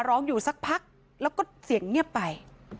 ร้องอยู่สักพักแล้วก็เสียงเงียบไป